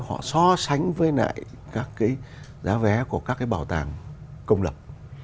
họ so sánh với lại các cái giá vé của các cái bảo tàng công lập